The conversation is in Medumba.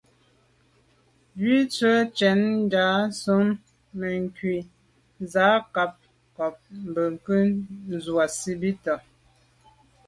Bú tɛ̌n tsjə́ŋ ŋgà sɔ̀ŋ mùcúà zə̄ à'cák câk bwɔ́ŋkə́ʼ wàsìbítà.